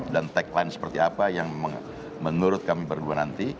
dan tagline seperti apa yang menurut kami berdua nanti